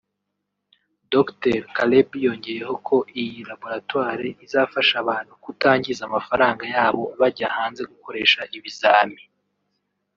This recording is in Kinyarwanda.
Dr Kalebi yongeyeho ko iyi laboratoire izafasha abantu kutangiza amafaranga yabo bajya hanze gukoresha ibizami